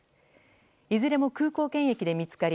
いずれも空港検疫で見つかり